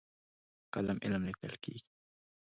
په قلم علم لیکل کېږي.